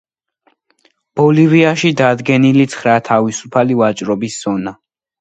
ბოლივიაში დადგენილი ცხრა თავისუფალი ვაჭრობის ზონა.